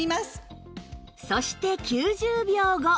そして９０秒後